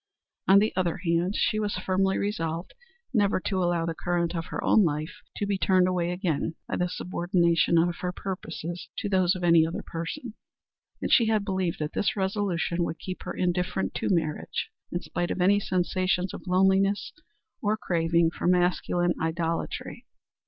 On the other hand she was firmly resolved never to allow the current of her own life to be turned away again by the subordination of her purposes to those of any other person, and she had believed that this resolution would keep her indifferent to marriage, in spite of any sensations of loneliness or craving for masculine idolatry.